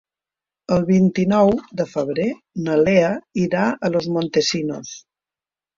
El vint-i-nou de febrer na Lea irà a Los Montesinos.